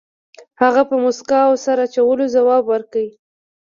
هغه په موسکا او سر اچولو ځواب ورکړ.